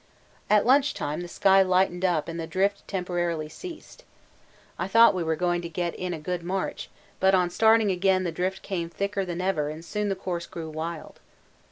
At lunch time the sky lightened up and the drift temporarily ceased. I thought we were going to get in a good march, but on starting again the drift came thicker than ever and soon the course grew wild.